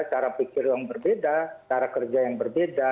cara pikir yang berbeda cara kerja yang berbeda